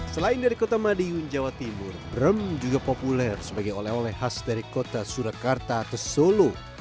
selain dari kota madiun jawa timur brem juga populer sebagai oleh oleh khas dari kota surakarta atau solo